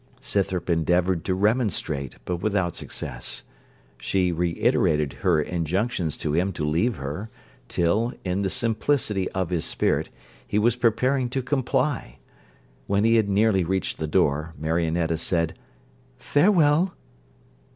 Scythrop endeavoured to remonstrate, but without success. She reiterated her injunctions to him to leave her, till, in the simplicity of his spirit, he was preparing to comply. When he had nearly reached the door, Marionetta said, 'Farewell.'